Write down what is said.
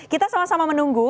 kita sama sama menunggu